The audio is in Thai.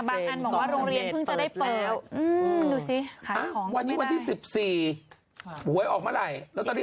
บางอันบอกว่าโรงเรียนเพิ่งจะได้เปิด